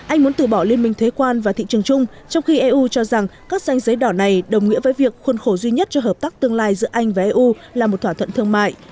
anh muốn từ bỏ liên minh thuế quan và thị trường chung trong khi eu cho rằng các danh giấy đỏ này đồng nghĩa với việc khuôn khổ duy nhất cho hợp tác tương lai giữa anh và eu là một thỏa thuận thương mại